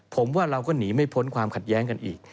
ผมว่าเราก็หนีไม่พ้นความขัดแย้งกันอีก